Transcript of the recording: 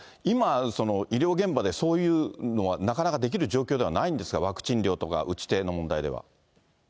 今、医療現場でそういうのはなかなかできる状況ではないんですか、ワクチン量とか打ち手の問題では。